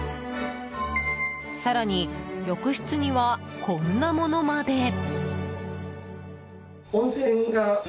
更に浴室にはこんなものまで。